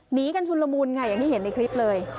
หนีกันชุนละมุนค่ะอย่างที่เห็นในคลิปเลย